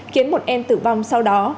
khiến một em tử vong sau đó